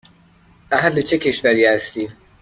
اهل چه کشوری هستی؟